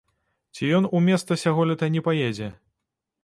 Ці ён у места сяголета не паедзе?